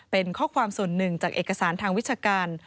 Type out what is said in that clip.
เป็นข้อความส่วนหนึ่งจากเอกสารทางวิชาการ